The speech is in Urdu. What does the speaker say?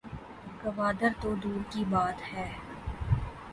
گوادر تو دور کی بات ہے